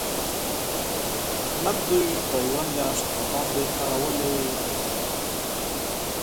احمد دوی دا یوه مياشت راباندې اړولي دي.